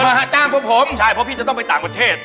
จ้างพวกผมใช่เพราะพี่จะต้องไปต่างประเทศ